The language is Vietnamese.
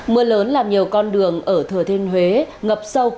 mưa lớn làm nhiều con đường ở thừa thiên huế ngập sâu